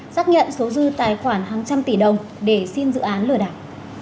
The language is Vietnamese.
xác nhận số dư tài khoản hàng trăm tỷ đồng để xin dự án lừa đảo